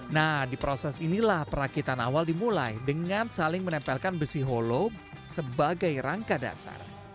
nah di proses inilah perakitan awal dimulai dengan saling menempelkan besi holo sebagai rangka dasar